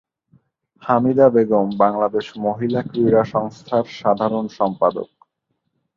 হামিদা বেগম বাংলাদেশ মহিলা ক্রীড়া সংস্থার সাধারণ সম্পাদক।